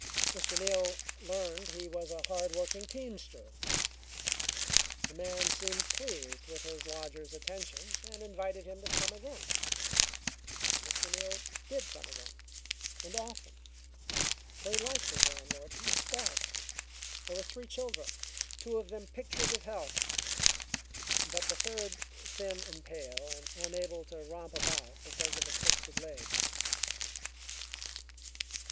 Mr. Neal learned he was a hard working teamster. The man seemed pleased with his lodger's attentions, and invited him to come again, and Mr. Neal did come again and often, for he liked his landlord from the start. There were three children, two of them pictures of health, but the third thin and pale and unable to romp about because of a twisted leg.